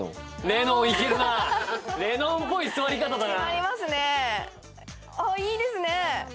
「レノン」ぽい座り方だね。